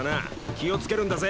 気をつけるんだぜ。